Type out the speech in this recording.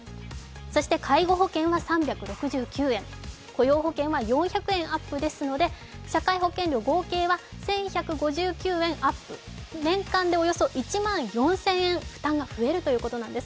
そして介護保険は３６９円、雇用保険は４００円アップですので、社会保険料合計は、１１５９円アップ、年間でおよそ１万４０００円負担が増えるということです。